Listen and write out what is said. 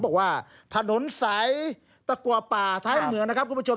บอกว่าถนนสายตะกัวป่าท้ายเมืองนะครับคุณผู้ชม